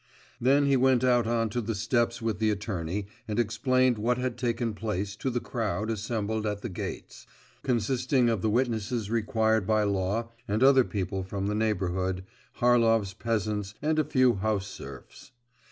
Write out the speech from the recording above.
Then he went out on to the steps with the attorney and explained what had taken place to the crowd assembled at the gates, consisting of the witnesses required by law and other people from the neighbourhood, Harlov's peasants, and a few house serfs.